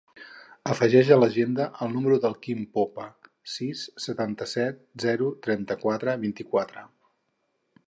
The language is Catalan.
Afegeix a l'agenda el número del Quim Popa: sis, setanta-set, zero, trenta-quatre, vint-i-quatre.